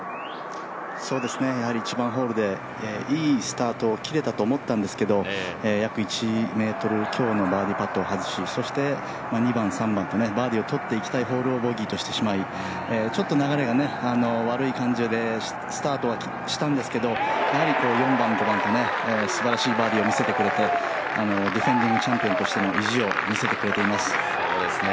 やはり１番ホールでいいスタートを切れたと思ったんですけど約１ｍ強のバーディーパットを外し、そして２番、３番とバーディーをとっていきたいホールをボギーとしてしまいちょっと流れが悪い感じでスタートはしたんですけど、やはり４番、５番とすばらしいバーディーを見せてくれてディフェンディングチャンピオンとしての意地を見せてくれています。